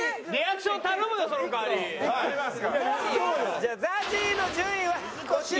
じゃあＺＡＺＹの順位はこちら！